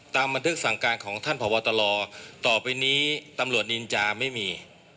บันทึกสั่งการของท่านพบตลต่อไปนี้ตำรวจนินจาไม่มี